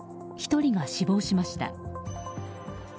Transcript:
１人が死亡しました。